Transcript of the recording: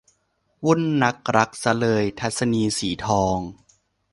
วุ่นนักรักซะเลย - ทัศนีย์ สีทอง